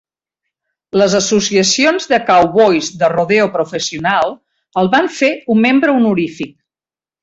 Les associacions de Cowboys de Rodeo Professional el van fer un membre honorífic.